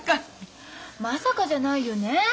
まさかじゃないよね。